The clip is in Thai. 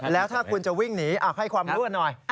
แล้วถ้าคุณจะวิ่งหนีให้ความรั่วหน่อย